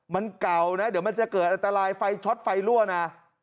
มันเก่านะเดี๋ยวมันจะเกิดอันตรายไฟช็อตไฟรั่วนะ